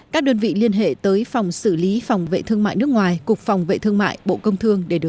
các đơn vị liên hệ tới phòng xử lý phòng vệ thương mại nước ngoài cục phòng vệ thương mại bộ công thương để được